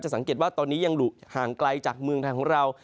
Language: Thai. สังเกตว่าตอนนี้ยังอยู่ห่างไกลจากเมืองไทยของเรา